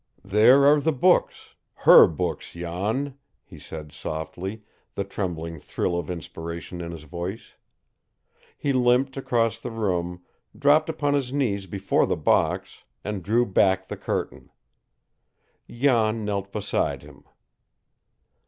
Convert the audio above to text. "There are the books HER books, Jan," he said softly, the trembling thrill of inspiration in his voice. He limped across the room, dropped upon his knees before the box, and drew back the curtain. Jan knelt beside him.